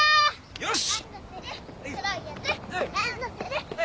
よし。